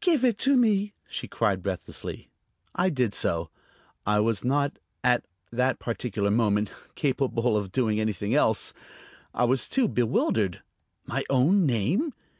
"Give it to me!" she cried breathlessly. I did so. I was not, at that particular moment, capable of doing anything else. I was too bewildered. My own name!